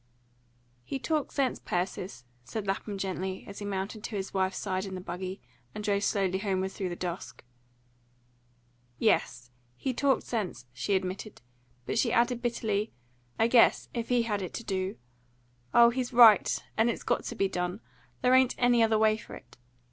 "HE talked sense, Persis," said Lapham gently, as he mounted to his wife's side in the buggy and drove slowly homeward through the dusk. "Yes, he talked sense," she admitted. But she added bitterly, "I guess, if he had it to DO! Oh, he's right, and it's got to be done. There ain't any other way for it.